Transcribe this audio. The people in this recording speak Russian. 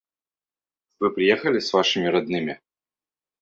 – Вы приехали с вашими родными?